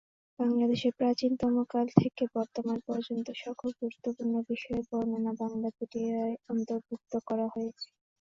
বাংলাদেশের প্রাচীনতমকাল থেকে বর্তমান পর্যন্ত সকল গুরুত্বপূর্ণ বিষয়ের বর্ণনা বাংলাপিডিয়ায় অন্তর্ভুক্ত করা হয়েছে।